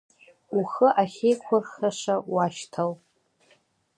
Ухы ахьеиқәурхаша уашьҭал…